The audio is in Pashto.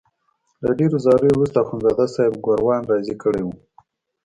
له ډېرو زاریو وروسته اخندزاده صاحب ګوروان راضي کړی وو.